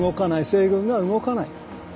西軍が動かない。